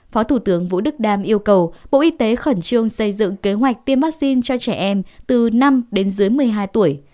phó thủ tướng vũ đức đam yêu cầu bộ y tế khẩn trương xây dựng kế hoạch tiêm vaccine cho trẻ em từ năm đến dưới một mươi hai tuổi